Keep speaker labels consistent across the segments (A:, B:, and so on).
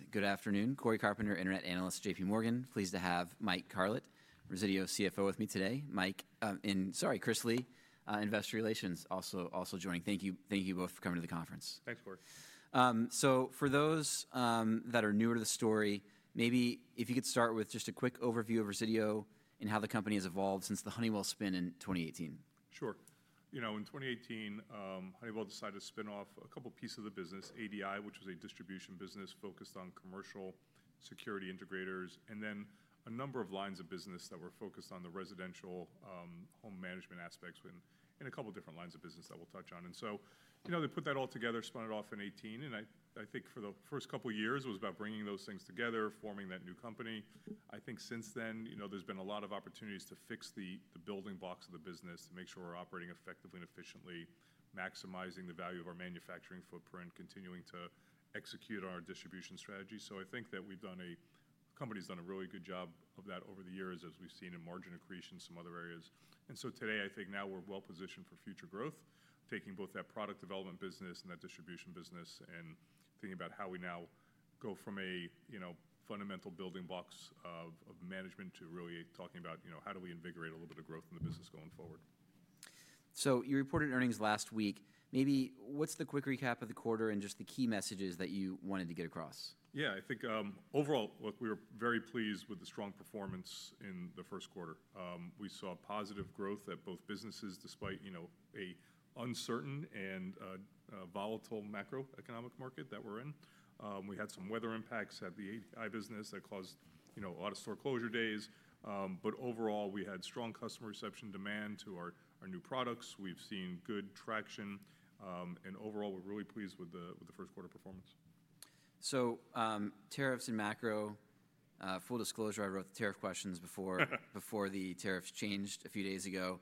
A: Right. Good afternoon. Corey Carpenter, Internet Analyst, JPMorgan. Pleased to have Mike Carlet, Resideo CFO, with me today. Mike, and sorry, Chris Lee, Investor Relations, also joining. Thank you both for coming to the conference.
B: Thanks, Corey.
A: For those that are newer to the story, maybe if you could start with just a quick overview of Resideo and how the company has evolved since the Honeywell spin in 2018.
B: Sure. You know, in 2018, Honeywell decided to spin off a couple pieces of the business: ADI, which was a distribution business focused on commercial security integrators, and then a number of lines of business that were focused on the residential home management aspects, and a couple different lines of business that we'll touch on. You know, they put that all together, spun it off in 2018, and I think for the first couple of years it was about bringing those things together, forming that new company. I think since then, you know, there's been a lot of opportunities to fix the building blocks of the business, to make sure we're operating effectively and efficiently, maximizing the value of our manufacturing footprint, continuing to execute on our distribution strategy. I think that we've done, the company's done a really good job of that over the years, as we've seen in margin accretion and some other areas. Today, I think now we're well positioned for future growth, taking both that product development business and that distribution business and thinking about how we now go from a, you know, fundamental building blocks of management to really talking about, you know, how do we invigorate a little bit of growth in the business going forward.
A: You reported earnings last week. Maybe what's the quick recap of the quarter and just the key messages that you wanted to get across?
B: Yeah, I think overall, look, we were very pleased with the strong performance in the first quarter. We saw positive growth at both businesses despite, you know, an uncertain and volatile macroeconomic market that we're in. We had some weather impacts at the ADI business that caused, you know, a lot of store closure days. Overall, we had strong customer reception, demand to our new products. We've seen good traction. Overall, we're really pleased with the first quarter performance.
A: Tariffs and macro, full disclosure, I wrote the tariff questions before the tariffs changed a few days ago.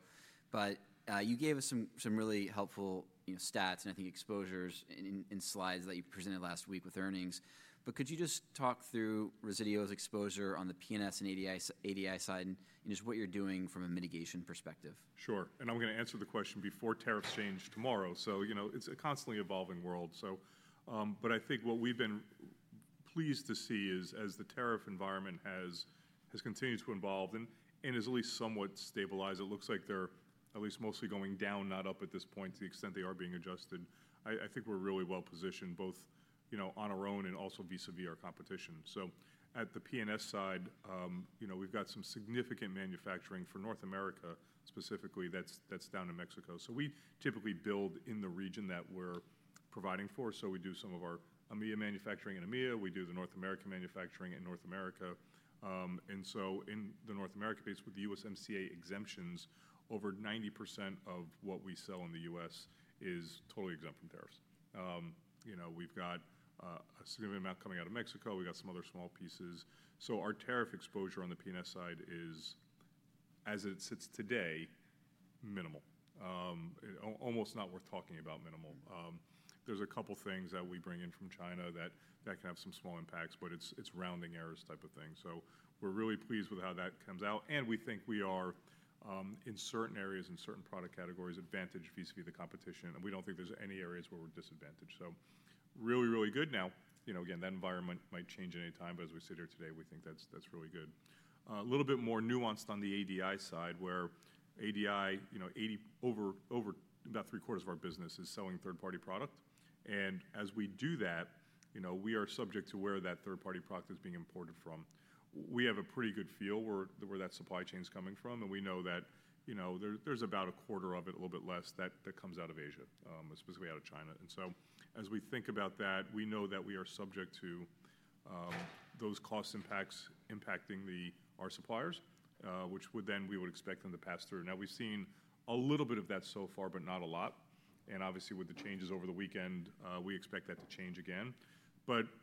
A: You gave us some really helpful stats, and I think exposures in slides that you presented last week with earnings. Could you just talk through Resideo's exposure on the P&S and ADI side and just what you're doing from a mitigation perspective?
B: Sure. I'm going to answer the question before tariffs change tomorrow. You know, it's a constantly evolving world. I think what we've been pleased to see is as the tariff environment has continued to evolve and has at least somewhat stabilized, it looks like they're at least mostly going down, not up at this point, to the extent they are being adjusted. I think we're really well positioned both, you know, on our own and also vis-à-vis our competition. At the P&S side, we've got some significant manufacturing for North America specifically that's down in Mexico. We typically build in the region that we're providing for. We do some of our AMEA manufacturing in AMEA. We do the North American manufacturing in North America. In the North America piece with the USMCA exemptions, over 90% of what we sell in the U.S. is totally exempt from tariffs. You know, we've got a significant amount coming out of Mexico. We've got some other small pieces. Our tariff exposure on the P&S side is, as it sits today, minimal, almost not worth talking about minimal. There's a couple things that we bring in from China that can have some small impacts, but it's rounding errors type of thing. We're really pleased with how that comes out. We think we are, in certain areas, in certain product categories, advantaged vis-à-vis the competition. We don't think there's any areas where we're disadvantaged. Really, really good. Now, you know, again, that environment might change at any time, but as we sit here today, we think that's really good. A little bit more nuanced on the ADI side, where ADI, you know, over about three quarters of our business is selling third-party product. As we do that, you know, we are subject to where that third-party product is being imported from. We have a pretty good feel where that supply chain's coming from, and we know that, you know, there's about a quarter of it, a little bit less, that comes out of Asia, specifically out of China. As we think about that, we know that we are subject to those cost impacts impacting our suppliers, which would then we would expect them to pass through. We've seen a little bit of that so far, but not a lot. Obviously, with the changes over the weekend, we expect that to change again.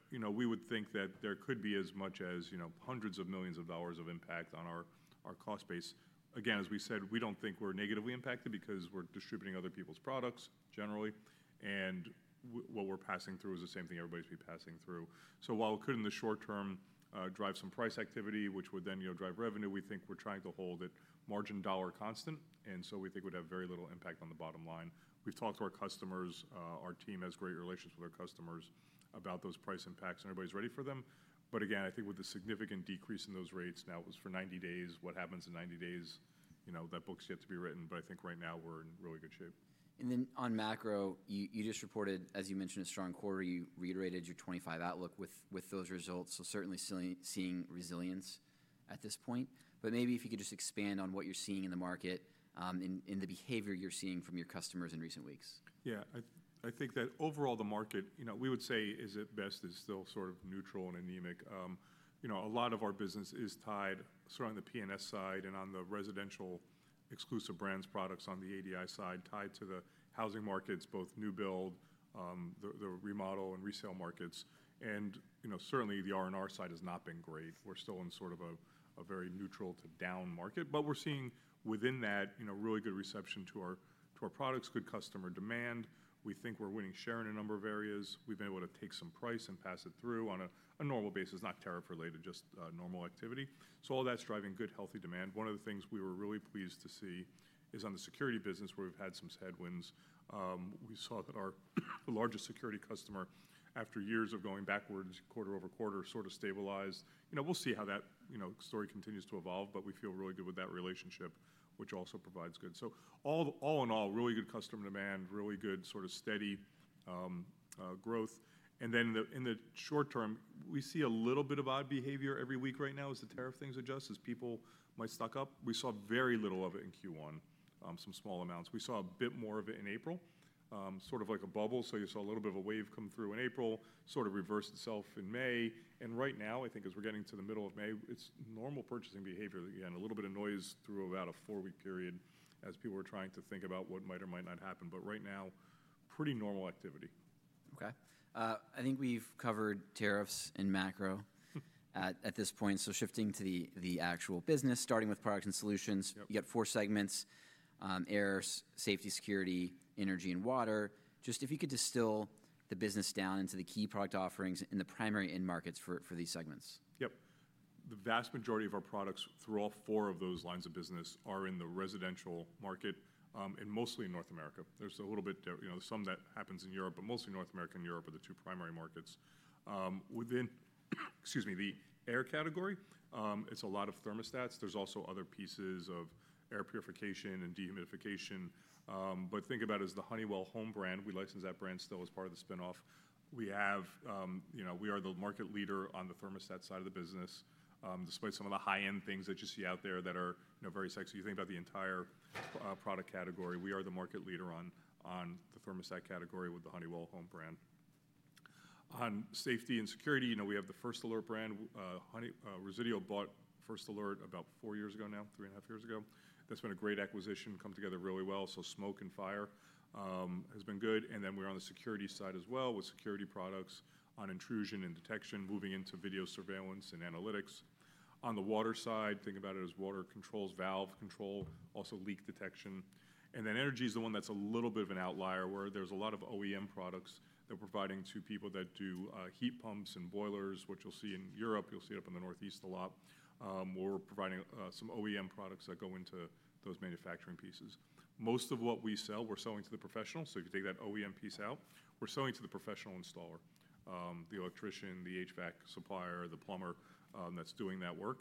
B: You know, we would think that there could be as much as, you know, hundreds of millions of dollars of impact on our cost base. Again, as we said, we do not think we are negatively impacted because we are distributing other people's products generally, and what we are passing through is the same thing everybody is going to be passing through. While it could, in the short term, drive some price activity, which would then, you know, drive revenue, we think we are trying to hold margin dollar constant. We think it would have very little impact on the bottom line. We have talked to our customers. Our team has great relations with our customers about those price impacts, and everybody is ready for them. Again, I think with the significant decrease in those rates now, it was for 90 days. What happens in 90 days, you know, that book's yet to be written. I think right now we're in really good shape.
A: On macro, you just reported, as you mentioned, a strong quarter. You reiterated your 2025 outlook with those results. Certainly seeing resilience at this point. Maybe if you could just expand on what you are seeing in the market and the behavior you are seeing from your customers in recent weeks.
B: Yeah, I think that overall the market, you know, we would say, is at best, is still sort of neutral and anemic. You know, a lot of our business is tied, sort of on the P&S side and on the residential exclusive brands products on the ADI side, tied to the housing markets, both new build, the remodel, and resale markets. You know, certainly the R&R side has not been great. We're still in sort of a very neutral to down market. We're seeing within that, you know, really good reception to our products, good customer demand. We think we're winning share in a number of areas. We've been able to take some price and pass it through on a normal basis, not tariff-related, just normal activity. All that's driving good, healthy demand. One of the things we were really pleased to see is on the security business, where we've had some headwinds. We saw that our largest security customer, after years of going backwards quarter over quarter, sort of stabilized. You know, we'll see how that, you know, story continues to evolve, but we feel really good with that relationship, which also provides good. All in all, really good customer demand, really good sort of steady growth. In the short term, we see a little bit of odd behavior every week right now as the tariff things adjust, as people might stock up. We saw very little of it in Q1, some small amounts. We saw a bit more of it in April, sort of like a bubble. You saw a little bit of a wave come through in April, sort of reversed itself in May. Right now, I think as we're getting to the middle of May, it's normal purchasing behavior. Again, a little bit of noise through about a four-week period as people were trying to think about what might or might not happen. Right now, pretty normal activity.
A: Okay. I think we've covered tariffs and macro at this point. Shifting to the actual business, starting with products and solutions, you've got four segments: air, safety, security, energy, and water. Just if you could distill the business down into the key product offerings and the primary end markets for these segments.
B: Yep. The vast majority of our products through all four of those lines of business are in the residential market and mostly in North America. There's a little bit, you know, some that happens in Europe, but mostly North America and Europe are the two primary markets. Within, excuse me, the air category, it's a lot of thermostats. There's also other pieces of air purification and dehumidification. You know, think about it as the Honeywell Home brand. We license that brand still as part of the spinoff. We have, you know, we are the market leader on the thermostat side of the business, despite some of the high-end things that you see out there that are, you know, very sexy. You think about the entire product category. We are the market leader on the thermostat category with the Honeywell Home brand. On safety and security, you know, we have the First Alert brand. Resideo bought First Alert about four years ago now, three and a half years ago. That's been a great acquisition, come together really well. Smoke and fire has been good. We are on the security side as well with security products on intrusion and detection, moving into video surveillance and analytics. On the water side, think about it as water controls, valve control, also leak detection. Energy is the one that's a little bit of an outlier, where there's a lot of OEM products that we're providing to people that do heat pumps and boilers, which you'll see in Europe. You'll see it up in the Northeast a lot, where we're providing some OEM products that go into those manufacturing pieces. Most of what we sell, we're selling to the professional. If you take that OEM piece out, we're selling to the professional installer, the electrician, the HVAC supplier, the plumber that's doing that work.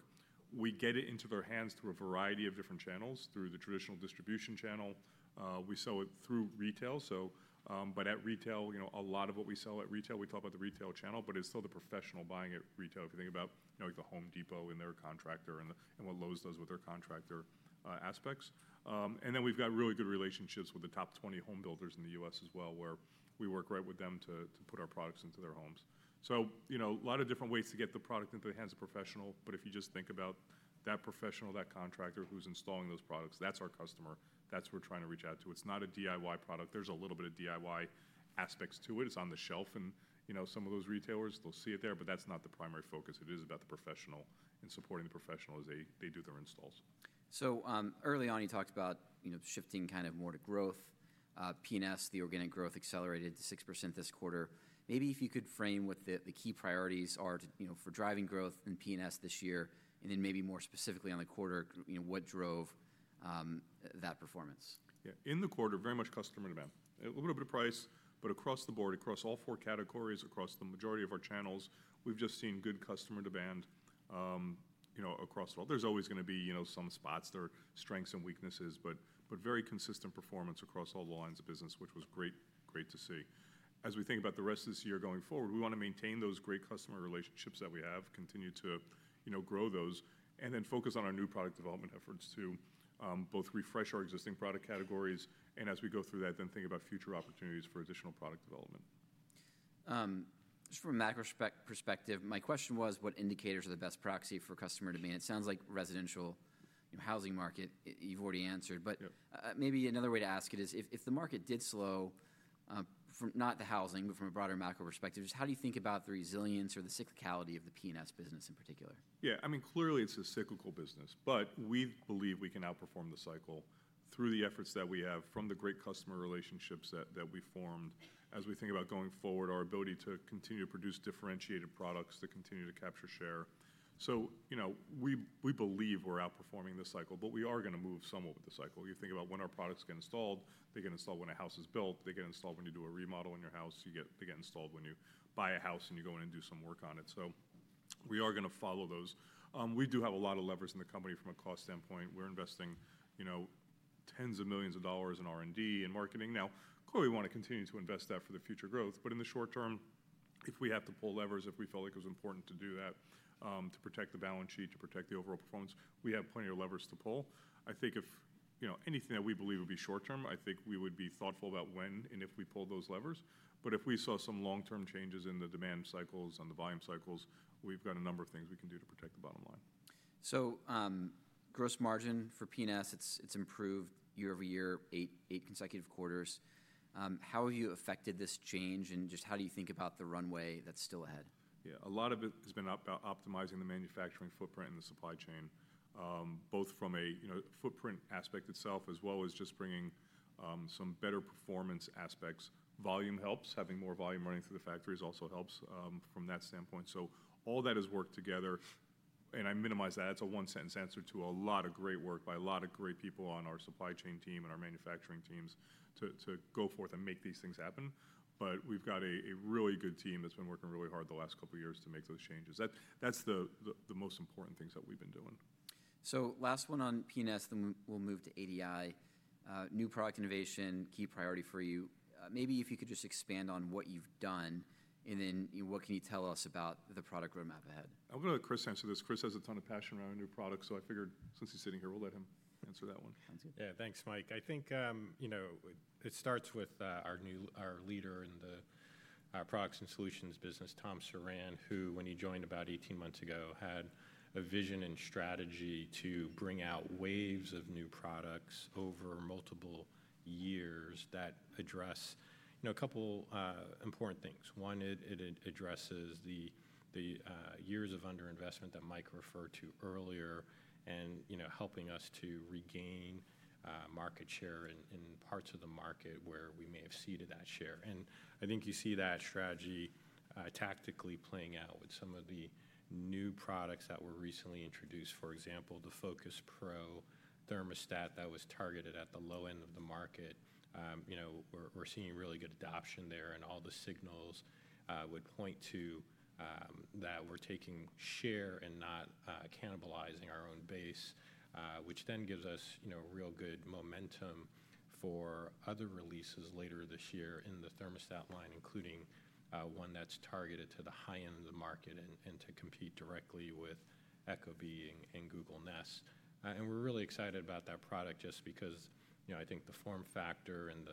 B: We get it into their hands through a variety of different channels, through the traditional distribution channel. We sell it through retail. At retail, you know, a lot of what we sell at retail, we talk about the retail channel, but it's still the professional buying at retail. If you think about, you know, like the Home Depot and their contractor and what Lowe's does with their contractor aspects. We have really good relationships with the top 20 home builders in the U.S. as well, where we work right with them to put our products into their homes. You know, a lot of different ways to get the product into the hands of professional. If you just think about that professional, that contractor who's installing those products, that's our customer. That's who we're trying to reach out to. It's not a DIY product. There's a little bit of DIY aspects to it. It's on the shelf. You know, some of those retailers, they'll see it there, but that's not the primary focus. It is about the professional and supporting the professional as they do their installs.
A: Early on, you talked about, you know, shifting kind of more to growth. P&S, the organic growth, accelerated to 6% this quarter. Maybe if you could frame what the key priorities are for driving growth in P&S this year, and then maybe more specifically on the quarter, you know, what drove that performance?
B: Yeah, in the quarter, very much customer demand. A little bit of price, but across the board, across all four categories, across the majority of our channels, we have just seen good customer demand, you know, across it all. There is always going to be, you know, some spots. There are strengths and weaknesses, but very consistent performance across all the lines of business, which was great, great to see. As we think about the rest of this year going forward, we want to maintain those great customer relationships that we have, continue to, you know, grow those, and then focus on our new product development efforts to both refresh our existing product categories. As we go through that, then think about future opportunities for additional product development.
A: Just from a macro perspective, my question was, what indicators are the best proxy for customer demand? It sounds like residential, you know, housing market you've already answered. Maybe another way to ask it is, if the market did slow from not the housing, but from a broader macro perspective, just how do you think about the resilience or the cyclicality of the P&S business in particular?
B: Yeah, I mean, clearly it's a cyclical business, but we believe we can outperform the cycle through the efforts that we have, from the great customer relationships that we formed. As we think about going forward, our ability to continue to produce differentiated products that continue to capture share. You know, we believe we're outperforming the cycle, but we are going to move somewhat with the cycle. You think about when our products get installed. They get installed when a house is built. They get installed when you do a remodel in your house. They get installed when you buy a house and you go in and do some work on it. We are going to follow those. We do have a lot of levers in the company from a cost standpoint. We're investing, you know, tens of millions of dollars in R&D and marketing. Now, clearly we want to continue to invest that for the future growth. In the short term, if we have to pull levers, if we felt like it was important to do that to protect the balance sheet, to protect the overall performance, we have plenty of levers to pull. I think if, you know, anything that we believe would be short term, I think we would be thoughtful about when and if we pull those levers. If we saw some long-term changes in the demand cycles and the volume cycles, we've got a number of things we can do to protect the bottom line.
A: Gross margin for P&S, it's improved year over year, eight consecutive quarters. How have you affected this change and just how do you think about the runway that's still ahead?
B: Yeah, a lot of it has been about optimizing the manufacturing footprint and the supply chain, both from a, you know, footprint aspect itself, as well as just bringing some better performance aspects. Volume helps. Having more volume running through the factories also helps from that standpoint. All that has worked together. I minimize that. That is a one-sentence answer to a lot of great work by a lot of great people on our supply chain team and our manufacturing teams to go forth and make these things happen. We have got a really good team that has been working really hard the last couple of years to make those changes. That is the most important things that we have been doing.
A: Last one on P&S, then we'll move to ADI. New product innovation, key priority for you. Maybe if you could just expand on what you've done and then what can you tell us about the product roadmap ahead?
B: I'll go to Chris to answer this. Chris has a ton of passion around new products. I figured since he's sitting here, we'll let him answer that one.
C: Sounds good. Yeah, thanks, Mike. I think, you know, it starts with our new, our leader in the Products and Solutions business, Tom Suran, who, when he joined about 18 months ago, had a vision and strategy to bring out waves of new products over multiple years that address, you know, a couple important things. One, it addresses the years of underinvestment that Mike referred to earlier and, you know, helping us to regain market share in parts of the market where we may have ceded that share. I think you see that strategy tactically playing out with some of the new products that were recently introduced, for example, the Focus Pro thermostat that was targeted at the low end of the market. You know, we're seeing really good adoption there. All the signals would point to that we're taking share and not cannibalizing our own base, which then gives us, you know, real good momentum for other releases later this year in the thermostat line, including one that's targeted to the high end of the market and to compete directly with Ecobee and Google Nest. We're really excited about that product just because, you know, I think the form factor and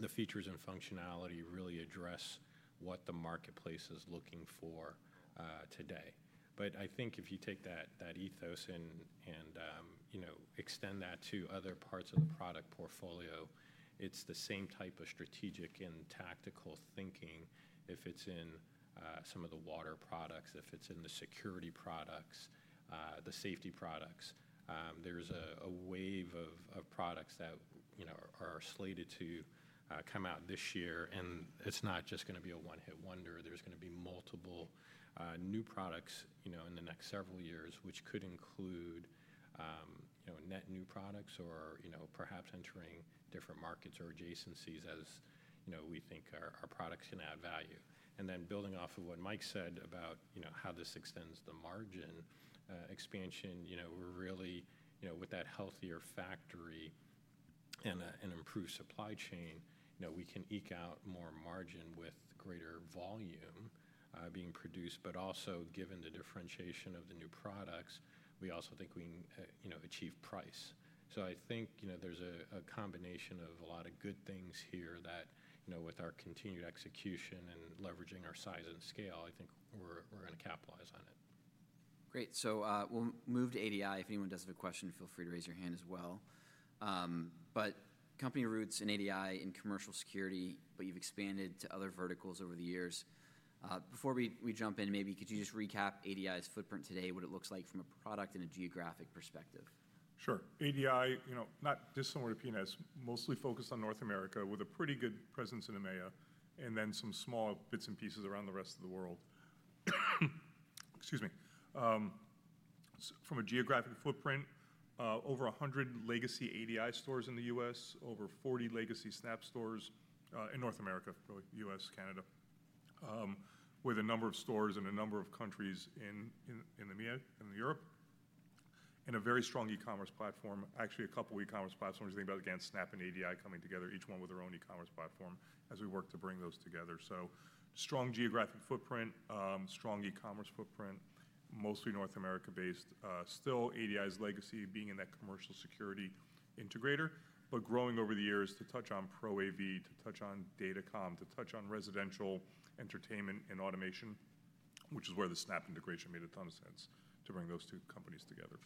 C: the features and functionality really address what the marketplace is looking for today. I think if you take that ethos and, you know, extend that to other parts of the product portfolio, it's the same type of strategic and tactical thinking. If it's in some of the water products, if it's in the security products, the safety products, there's a wave of products that, you know, are slated to come out this year. It is not just going to be a one-hit wonder. There is going to be multiple new products, you know, in the next several years, which could include, you know, net new products or, you know, perhaps entering different markets or adjacencies as, you know, we think our products can add value. Then building off of what Mike said about, you know, how this extends the margin expansion, you know, we are really, you know, with that healthier factory and an improved supply chain, you know, we can eke out more margin with greater volume being produced. Also, given the differentiation of the new products, we also think we can, you know, achieve price. I think, you know, there is a combination of a lot of good things here that, you know, with our continued execution and leveraging our size and scale, I think we are going to capitalize on it.
A: Great. We will move to ADI. If anyone does have a question, feel free to raise your hand as well. Company roots in ADI in commercial security, but you have expanded to other verticals over the years. Before we jump in, maybe could you just recap ADI's footprint today, what it looks like from a product and a geographic perspective?
B: Sure. ADI, you know, not dissimilar to P&S, mostly focused on North America with a pretty good presence in EMEA and then some small bits and pieces around the rest of the world. Excuse me. From a geographic footprint, over 100 legacy ADI stores in the U.S., over 40 legacy Snap stores in North America, really, U.S., Canada, with a number of stores in a number of countries in EMEA and in Europe, and a very strong e-commerce platform, actually a couple of e-commerce platforms. You think about, again, Snap and ADI coming together, each one with their own e-commerce platform as we work to bring those together. Strong geographic footprint, strong e-commerce footprint, mostly North America-based. Still ADI's legacy being in that commercial security integrator, but growing over the years to touch on Pro AV, to touch on DataCom, to touch on residential entertainment and automation, which is where the Snap One integration made a ton of sense to bring those two companies together.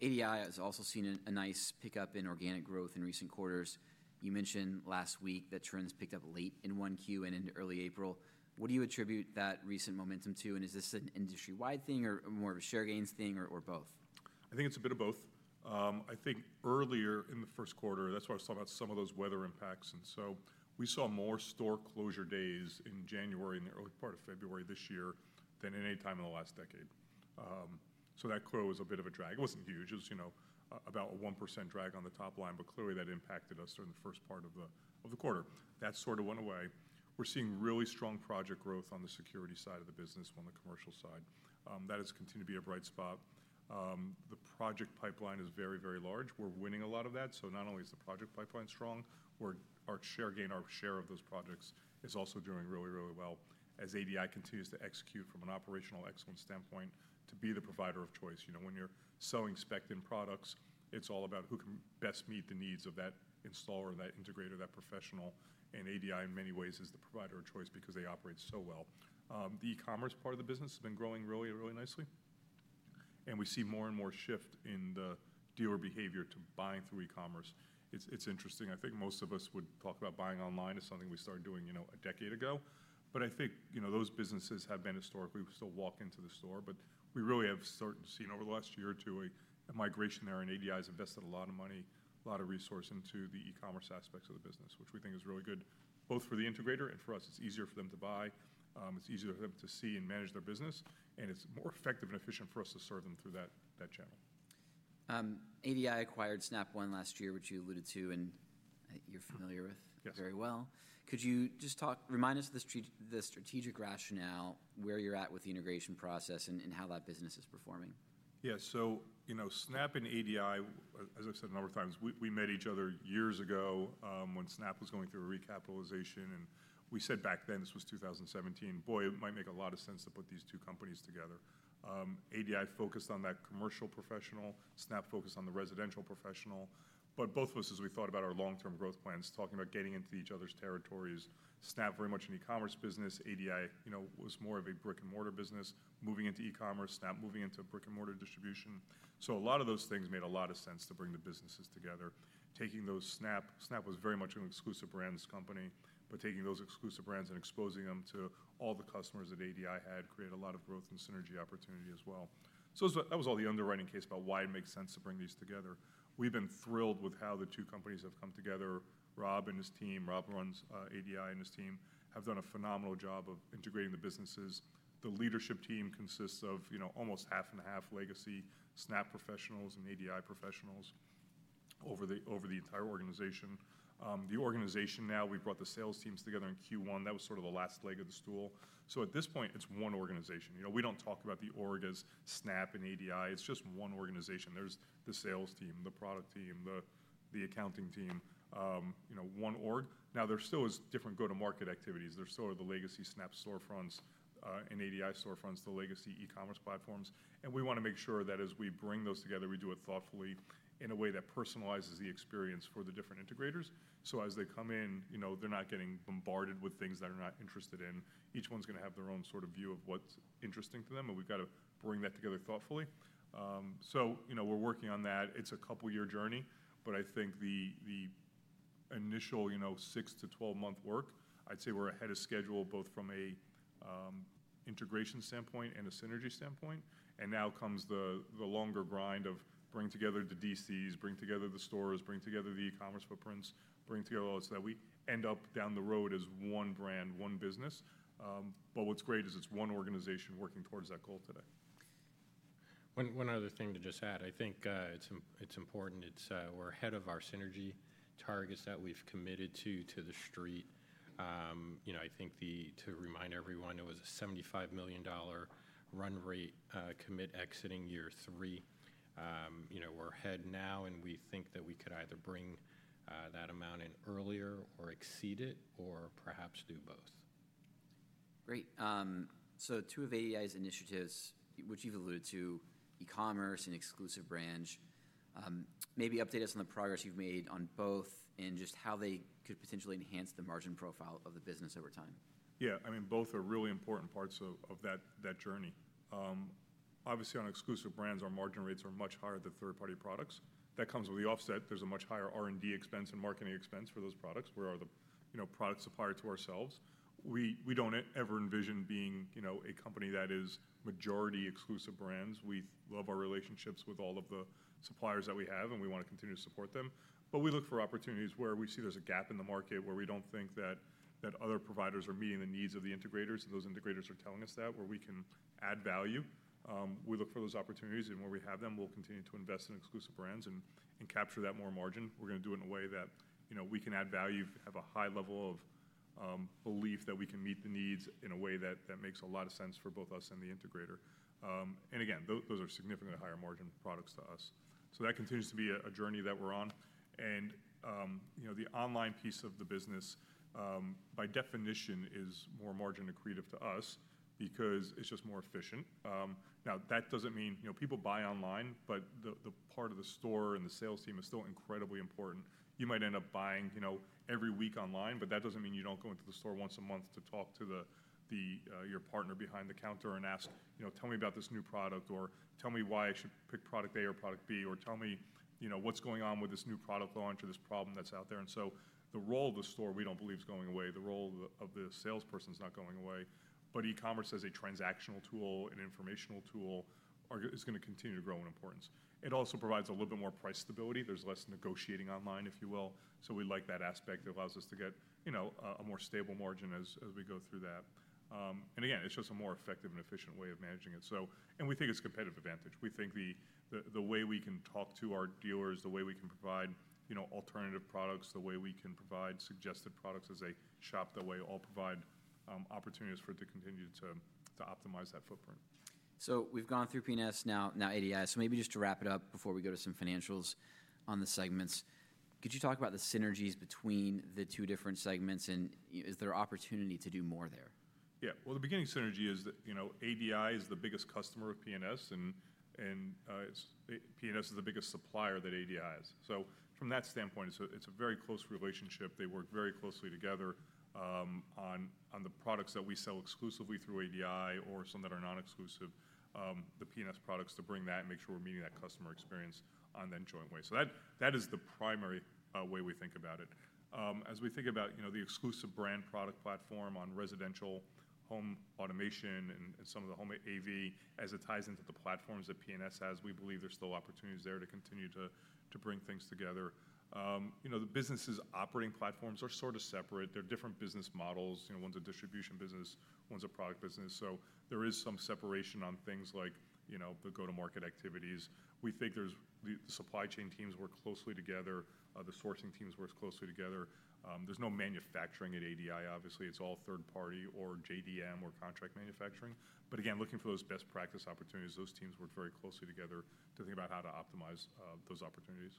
A: ADI has also seen a nice pickup in organic growth in recent quarters. You mentioned last week that trends picked up late in one Q and into early April. What do you attribute that recent momentum to? Is this an industry-wide thing or more of a share gains thing or both?
B: I think it's a bit of both. I think earlier in the first quarter, that's why I was talking about some of those weather impacts. We saw more store closure days in January in the early part of February this year than at any time in the last decade. That quarter was a bit of a drag. It wasn't huge. It was, you know, about a 1% drag on the top line. Clearly that impacted us during the first part of the quarter. That sort of went away. We're seeing really strong project growth on the security side of the business, on the commercial side. That has continued to be a bright spot. The project pipeline is very, very large. We're winning a lot of that. Not only is the project pipeline strong, our share gain, our share of those projects is also doing really, really well as ADI continues to execute from an operational excellence standpoint to be the provider of choice. You know, when you're selling specced-in products, it's all about who can best meet the needs of that installer, that integrator, that professional. ADI in many ways is the provider of choice because they operate so well. The e-commerce part of the business has been growing really, really nicely. We see more and more shift in the dealer behavior to buying through e-commerce. It's interesting. I think most of us would talk about buying online as something we started doing, you know, a decade ago. I think, you know, those businesses have been historically still walk into the store. We really have started to see over the last year or two a migration there. ADI has invested a lot of money, a lot of resources into the e-commerce aspects of the business, which we think is really good both for the integrator and for us. It's easier for them to buy. It's easier for them to see and manage their business. It's more effective and efficient for us to serve them through that channel.
A: ADI acquired Snap One last year, which you alluded to and you're familiar with very well. Could you just talk, remind us of the strategic rationale where you're at with the integration process, and how that business is performing?
B: Yeah. So, you know, Snap and ADI, as I've said a number of times, we met each other years ago when Snap was going through a recapitalization. And we said back then, this was 2017, boy, it might make a lot of sense to put these two companies together. ADI focused on that commercial professional. Snap focused on the residential professional. But both of us, as we thought about our long-term growth plans, talking about getting into each other's territories, Snap very much in the e-commerce business, ADI, you know, was more of a brick-and-mortar business moving into e-commerce, Snap moving into brick-and-mortar distribution. So a lot of those things made a lot of sense to bring the businesses together. Taking those Snap, Snap was very much an exclusive brands company, but taking those exclusive brands and exposing them to all the customers that ADI had created a lot of growth and synergy opportunity as well. That was all the underwriting case about why it makes sense to bring these together. We've been thrilled with how the two companies have come together. Rob and his team, Rob runs ADI and his team, have done a phenomenal job of integrating the businesses. The leadership team consists of, you know, almost half and a half legacy Snap professionals and ADI professionals over the entire organization. The organization now, we brought the sales teams together in Q1. That was sort of the last leg of the stool. At this point, it's one organization. You know, we don't talk about the org as Snap and ADI. It's just one organization. There's the sales team, the product team, the accounting team, you know, one org. Now, there still is different go-to-market activities. There still are the legacy Snap One storefronts and ADI storefronts, the legacy e-commerce platforms. We want to make sure that as we bring those together, we do it thoughtfully in a way that personalizes the experience for the different integrators. As they come in, you know, they're not getting bombarded with things that they are not interested in. Each one's going to have their own sort of view of what's interesting to them. We have to bring that together thoughtfully. You know, we're working on that. It's a couple-year journey. I think the initial, you know, 6- to 12-month work, I'd say we're ahead of schedule both from an integration standpoint and a synergy standpoint. Now comes the longer grind of bringing together the DCs, bringing together the stores, bringing together the e-commerce footprints, bringing together all that so that we end up down the road as one brand, one business. What is great is it is one organization working towards that goal today.
C: One other thing to just add. I think it's important. We're ahead of our synergy targets that we've committed to, to the street. You know, I think to remind everyone, it was a $75 million run rate commit exiting year three. You know, we're ahead now. And we think that we could either bring that amount in earlier or exceed it or perhaps do both.
A: Great. Two of ADI's initiatives, which you've alluded to, e-commerce and exclusive branch, maybe update us on the progress you've made on both and just how they could potentially enhance the margin profile of the business over time.
B: Yeah. I mean, both are really important parts of that journey. Obviously, on exclusive brands, our margin rates are much higher than third-party products. That comes with the offset. There is a much higher R&D expense and marketing expense for those products where our, you know, product supplier to ourselves. We do not ever envision being, you know, a company that is majority exclusive brands. We love our relationships with all of the suppliers that we have, and we want to continue to support them. We look for opportunities where we see there is a gap in the market, where we do not think that other providers are meeting the needs of the integrators, and those integrators are telling us that, where we can add value. We look for those opportunities. Where we have them, we will continue to invest in exclusive brands and capture that more margin. We're going to do it in a way that, you know, we can add value, have a high level of belief that we can meet the needs in a way that makes a lot of sense for both us and the integrator. Again, those are significantly higher margin products to us. That continues to be a journey that we're on. You know, the online piece of the business, by definition, is more margin accretive to us because it's just more efficient. Now, that doesn't mean, you know, people buy online, but the part of the store and the sales team is still incredibly important. You might end up buying, you know, every week online, but that does not mean you do not go into the store once a month to talk to your partner behind the counter and ask, you know, tell me about this new product or tell me why I should pick product A or product B or tell me, you know, what is going on with this new product launch or this problem that is out there. The role of the store, we do not believe is going away. The role of the salesperson is not going away. E-commerce as a transactional tool and informational tool is going to continue to grow in importance. It also provides a little bit more price stability. There is less negotiating online, if you will. We like that aspect. It allows us to get, you know, a more stable margin as we go through that. It is just a more effective and efficient way of managing it. We think it is a competitive advantage. We think the way we can talk to our dealers, the way we can provide, you know, alternative products, the way we can provide suggested products as a shop that way all provide opportunities for it to continue to optimize that footprint.
A: We've gone through P&S, now ADI. Maybe just to wrap it up before we go to some financials on the segments, could you talk about the synergies between the two different segments and is there an opportunity to do more there?
B: Yeah. The beginning synergy is that, you know, ADI is the biggest customer of P&S and P&S is the biggest supplier that ADI is. From that standpoint, it's a very close relationship. They work very closely together on the products that we sell exclusively through ADI or some that are non-exclusive, the P&S products, to bring that and make sure we're meeting that customer experience on that joint way. That is the primary way we think about it. As we think about, you know, the exclusive brand product platform on residential home automation and some of the home AV, as it ties into the platforms that P&S has, we believe there's still opportunities there to continue to bring things together. You know, the business's operating platforms are sort of separate. They're different business models. You know, one's a distribution business, one's a product business. There is some separation on things like, you know, the go-to-market activities. We think the supply chain teams work closely together. The sourcing teams work closely together. There is no manufacturing at ADI, obviously. It is all third-party or JDM or contract manufacturing. Again, looking for those best practice opportunities, those teams work very closely together to think about how to optimize those opportunities.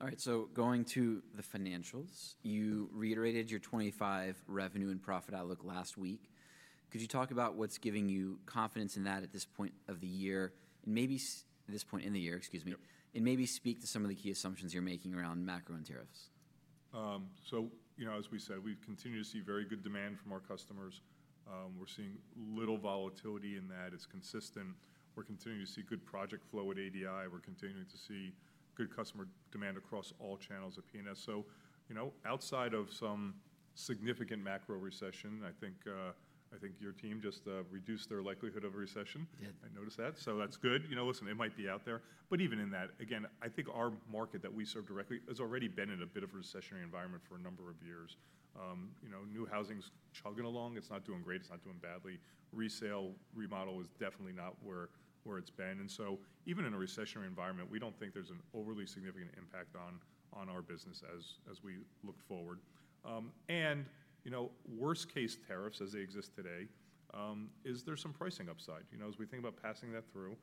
A: All right. Going to the financials, you reiterated your 2025 revenue and profit outlook last week. Could you talk about what's giving you confidence in that at this point in the year, excuse me, and maybe speak to some of the key assumptions you're making around macro and tariffs?
B: You know, as we said, we continue to see very good demand from our customers. We're seeing little volatility in that. It's consistent. We're continuing to see good project flow at ADI. We're continuing to see good customer demand across all channels at P&S. You know, outside of some significant macro recession, I think your team just reduced their likelihood of a recession. I noticed that. That's good. You know, listen, it might be out there. Even in that, again, I think our market that we serve directly has already been in a bit of a recessionary environment for a number of years. You know, new housing's chugging along. It's not doing great. It's not doing badly. Resale, remodel is definitely not where it's been. Even in a recessionary environment, we do not think there is an overly significant impact on our business as we look forward. You know, worst-case tariffs as they exist today, is there some pricing upside? You know, as we think about passing that through,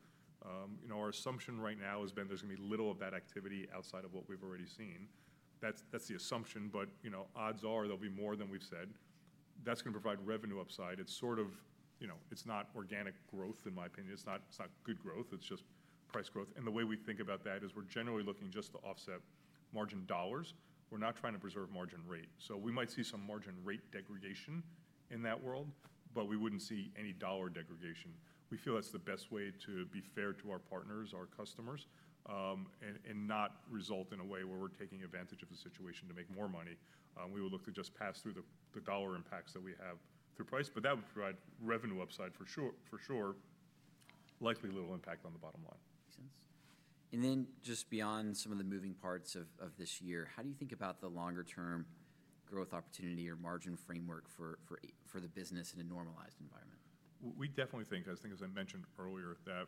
B: you know, our assumption right now has been there is going to be little of that activity outside of what we have already seen. That is the assumption. You know, odds are there will be more than we have said. That is going to provide revenue upside. It is sort of, you know, it is not organic growth, in my opinion. It is not good growth. It is just price growth. The way we think about that is we are generally looking just to offset margin dollars. We are not trying to preserve margin rate. We might see some margin rate degradation in that world, but we would not see any dollar degradation. We feel that's the best way to be fair to our partners, our customers, and not result in a way where we're taking advantage of the situation to make more money. We would look to just pass through the dollar impacts that we have through price. That would provide revenue upside for sure, likely little impact on the bottom line.
A: Makes sense. Just beyond some of the moving parts of this year, how do you think about the longer-term growth opportunity or margin framework for the business in a normalized environment?
B: We definitely think, as I mentioned earlier, that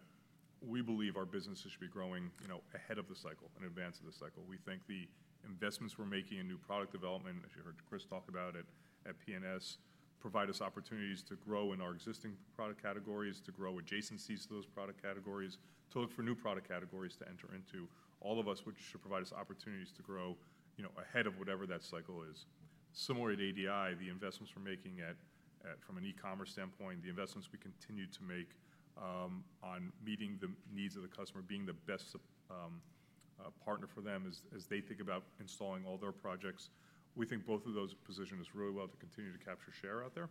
B: we believe our businesses should be growing, you know, ahead of the cycle, in advance of the cycle. We think the investments we're making in new product development, as you heard Chris talk about at P&S, provide us opportunities to grow in our existing product categories, to grow adjacencies to those product categories, to look for new product categories to enter into. All of which should provide us opportunities to grow, you know, ahead of whatever that cycle is. Similar to ADI, the investments we're making from an e-commerce standpoint, the investments we continue to make on meeting the needs of the customer, being the best partner for them as they think about installing all their projects. We think both of those positions really well to continue to capture share out there.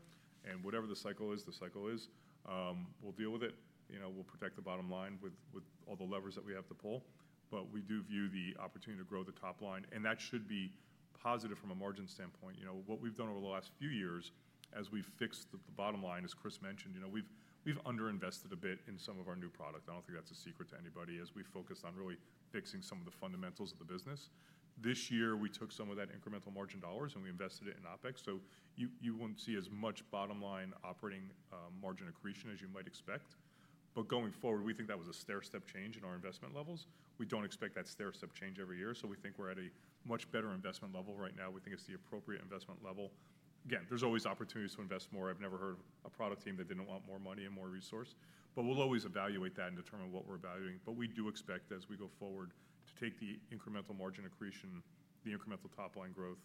B: Whatever the cycle is, the cycle is. We'll deal with it. You know, we'll protect the bottom line with all the levers that we have to pull. We do view the opportunity to grow the top line. That should be positive from a margin standpoint. You know, what we've done over the last few years as we fixed the bottom line, as Chris mentioned, you know, we've underinvested a bit in some of our new product. I do not think that's a secret to anybody as we focused on really fixing some of the fundamentals of the business. This year, we took some of that incremental margin dollars and we invested it in OpEx. You will not see as much bottom line operating margin accretion as you might expect. Going forward, we think that was a stairstep change in our investment levels. We do not expect that stairstep change every year. We think we are at a much better investment level right now. We think it is the appropriate investment level. Again, there are always opportunities to invest more. I have never heard of a product team that did not want more money and more resource. We will always evaluate that and determine what we are evaluating. We do expect, as we go forward, to take the incremental margin accretion, the incremental top line growth,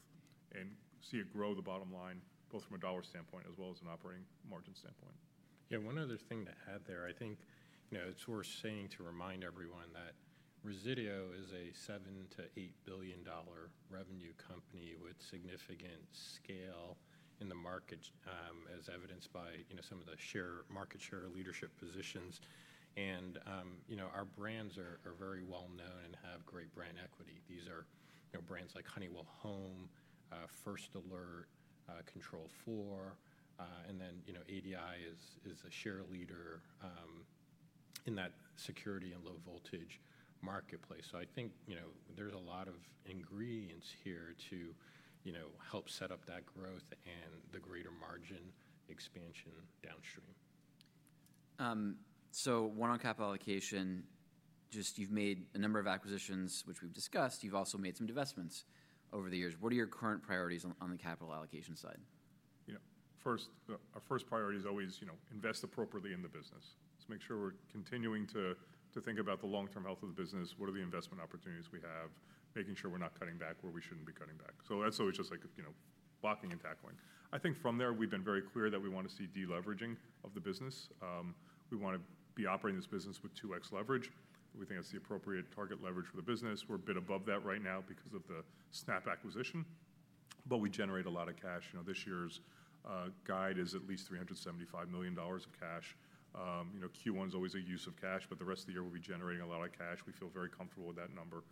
B: and see it grow the bottom line both from a dollar standpoint as well as an operating margin standpoint.
C: Yeah. One other thing to add there, I think, you know, it's worth saying to remind everyone that Resideo is a $7 billion to $8 billion revenue company with significant scale in the market, as evidenced by, you know, some of the market share leadership positions. And, you know, our brands are very well known and have great brand equity. These are brands like Honeywell Home, First Alert, Control4. And then, you know, ADI is a share leader in that security and low voltage marketplace. I think, you know, there's a lot of ingredients here to, you know, help set up that growth and the greater margin expansion downstream.
A: On capital allocation, just you've made a number of acquisitions, which we've discussed. You've also made some divestments over the years. What are your current priorities on the capital allocation side?
B: You know, first, our first priority is always, you know, invest appropriately in the business. Let's make sure we're continuing to think about the long-term health of the business. What are the investment opportunities we have? Making sure we're not cutting back where we shouldn't be cutting back. So that's always just like, you know, blocking and tackling. I think from there, we've been very clear that we want to see deleveraging of the business. We want to be operating this business with 2x leverage. We think that's the appropriate target leverage for the business. We're a bit above that right now because of the Snap One acquisition. But we generate a lot of cash. You know, this year's guide is at least $375 million of cash. You know, Q1 is always a use of cash, but the rest of the year we'll be generating a lot of cash. We feel very comfortable with that number.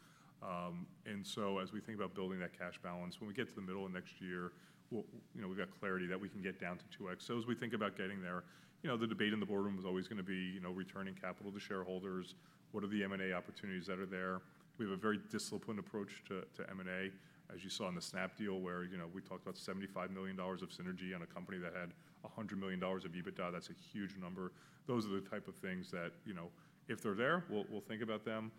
B: As we think about building that cash balance, when we get to the middle of next year, you know, we have clarity that we can get down to 2x. As we think about getting there, you know, the debate in the boardroom is always going to be, you know, returning capital to shareholders. What are the M&A opportunities that are there? We have a very disciplined approach to M&A, as you saw in the Snap One deal where, you know, we talked about $75 million of synergy on a company that had $100 million of EBITDA. That is a huge number. Those are the type of things that, you know, if they are there, we will think about them.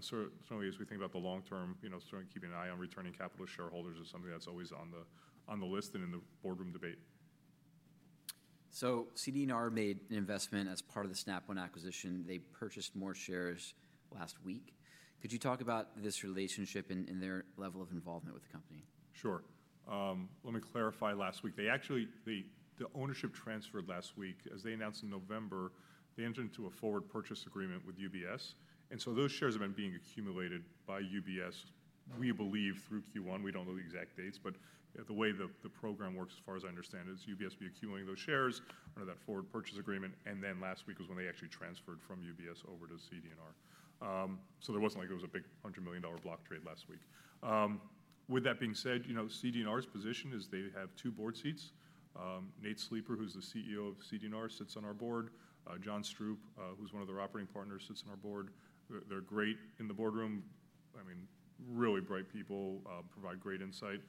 B: Certainly, as we think about the long term, you know, starting to keep an eye on returning capital to shareholders is something that's always on the list and in the boardroom debate.
A: CD&R made an investment as part of the Snap One acquisition. They purchased more shares last week. Could you talk about this relationship and their level of involvement with the company?
B: Sure. Let me clarify. Last week, they actually, the ownership transferred last week. As they announced in November, they entered into a forward purchase agreement with UBS. And so those shares have been being accumulated by UBS, we believe, through Q1. We do not know the exact dates, but the way the program works, as far as I understand, is UBS will be accumulating those shares under that forward purchase agreement. Last week was when they actually transferred from UBS over to CD&R. There was not like it was a big $100 million block trade last week. With that being said, you know, CD&R's position is they have two board seats. Nate Sleeper, who is the CEO of CD&R, sits on our board. John Strup, who is one of their operating partners, sits on our board. They are great in the boardroom. I mean, really bright people, provide great insight.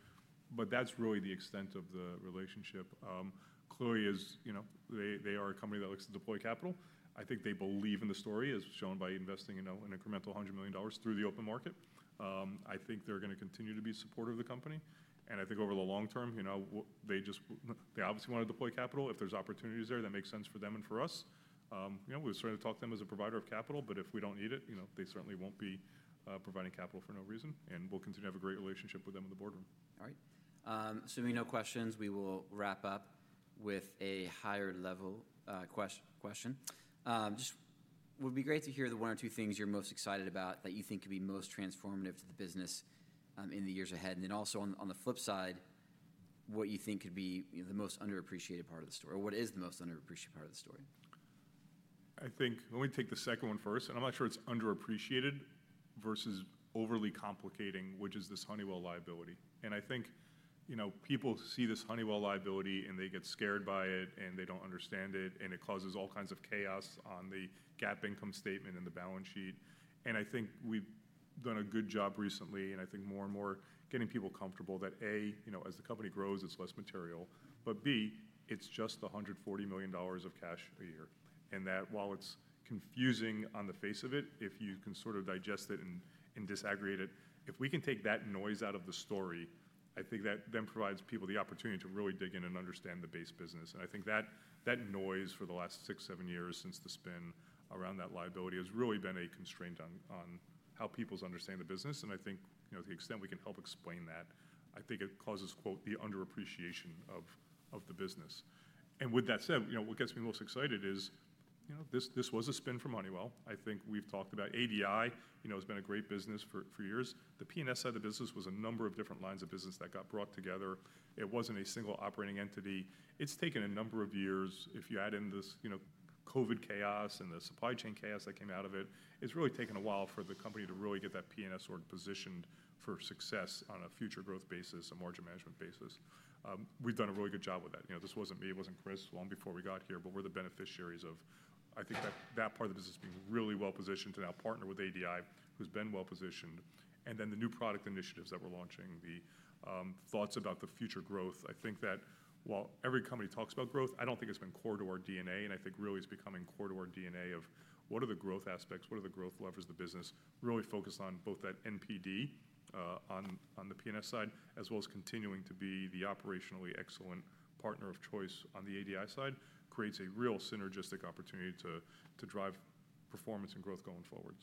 B: That is really the extent of the relationship. CD&R is, you know, they are a company that looks to deploy capital. I think they believe in the story, as shown by investing in an incremental $100 million through the open market. I think they are going to continue to be supportive of the company. I think over the long term, you know, they just, they obviously want to deploy capital. If there are opportunities there, that make sense for them and for us. You know, we have started to talk to them as a provider of capital, but if we do not need it, you know, they certainly will not be providing capital for no reason. We will continue to have a great relationship with them in the boardroom.
A: All right. Assuming no questions, we will wrap up with a higher level question. Just would be great to hear the one or two things you're most excited about that you think could be most transformative to the business in the years ahead. Also on the flip side, what you think could be the most underappreciated part of the story or what is the most underappreciated part of the story?
B: I think let me take the second one first. I'm not sure it's underappreciated versus overly complicating, which is this Honeywell liability. I think, you know, people see this Honeywell liability and they get scared by it and they don't understand it. It causes all kinds of chaos on the GAAP income statement and the balance sheet. I think we've done a good job recently. I think more and more getting people comfortable that A, you know, as the company grows, it's less material. B, it's just $140 million of cash a year. While it's confusing on the face of it, if you can sort of digest it and disaggregate it, if we can take that noise out of the story, I think that then provides people the opportunity to really dig in and understand the base business. I think that noise for the last six, seven years since the spin around that liability has really been a constraint on how people are understanding the business. I think, you know, to the extent we can help explain that, I think it causes, quote, the underappreciation of the business. With that said, you know, what gets me most excited is, you know, this was a spin for Honeywell. I think we've talked about ADI, you know, has been a great business for years. The P&S side of the business was a number of different lines of business that got brought together. It was not a single operating entity. It's taken a number of years. If you add in this, you know, COVID chaos and the supply chain chaos that came out of it, it's really taken a while for the company to really get that P&S org positioned for success on a future growth basis, a margin management basis. We've done a really good job with that. You know, this wasn't me, it wasn't Chris long before we got here, but we're the beneficiaries of, I think that that part of the business being really well positioned to now partner with ADI, who's been well positioned. And then the new product initiatives that we're launching, the thoughts about the future growth. I think that while every company talks about growth, I don't think it's been core to our DNA. I think really it's becoming core to our DNA of what are the growth aspects, what are the growth levers of the business, really focus on both that NPD on the P&S side, as well as continuing to be the operationally excellent partner of choice on the ADI side, creates a real synergistic opportunity to drive performance and growth going forward.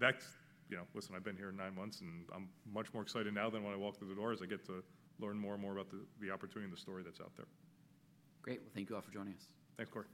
B: That's, you know, listen, I've been here nine months and I'm much more excited now than when I walked through the door as I get to learn more and more about the opportunity and the story that's out there.
A: Great. Thank you all for joining us.
B: Thanks, Cory.